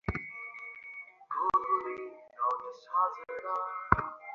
ফরিদা বসার ঘরের দিকে এগুলেন।